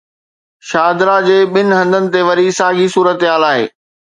شاهدره جي ٻن هنڌن تي وري ساڳي صورتحال آهي.